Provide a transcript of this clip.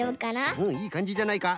うんいいかんじじゃないか。